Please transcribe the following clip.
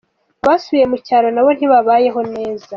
Abasubiye mu cyaro nabo ntibabayeho neza.